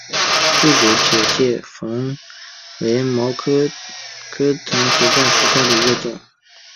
柱果铁线莲为毛茛科铁线莲属下的一个种。